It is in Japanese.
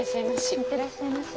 行ってらっしゃいまし。